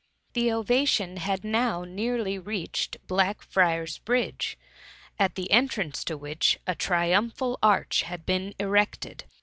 S80 THS MUMMY. The ovation had now nearly reached Biack friars' bridge, at the entrance to which, a tri umpbal arch had be^n erected.